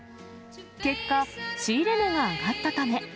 結果、仕入れ値が上がったため。